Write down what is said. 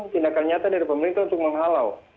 tindakan nyata dari pemerintah untuk menghalau